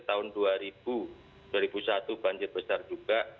tahun dua ribu dua ribu satu banjir besar juga